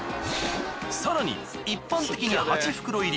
更に一般的に８袋入り